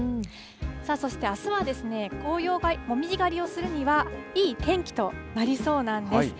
そしてあすはですね、紅葉が、紅葉狩りをするにはいい天気となりそうなんです。